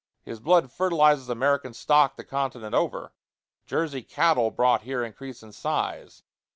His blood fertilizes American stock the continent over. Jersey cattle brought here increase in size.